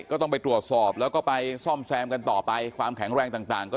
ก็ต้องไปตรวจสอบแล้วก็ไปซ่อมแซมกันต่อไปความแข็งแรงต่างก็